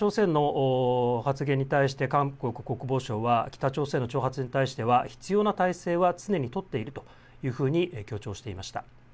こうした北朝鮮のを発言に対して韓国国防省は北朝鮮の挑発に対しては必要な態勢は常に取っているというふうに強調していました。